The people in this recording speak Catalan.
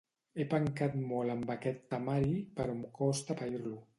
He pencat molt amb aquest temari, però em costa pair-lo.